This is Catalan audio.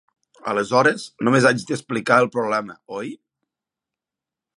Aleshores només haig d'explicar el problema, oi?